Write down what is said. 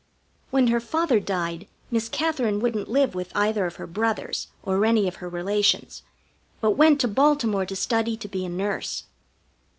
When her father died Miss Katherine wouldn't live with either of her brothers, or any of her relations, but went to Baltimore to study to be a nurse.